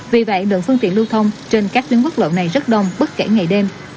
vì vậy lượng phương tiện lưu thông trên các tuyến quốc lộ này rất đông bất kể ngày đêm